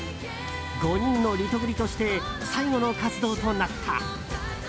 ５人のリトグリとして最後の活動となった。